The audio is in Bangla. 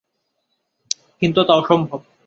কিন্তু তা অসম্ভব।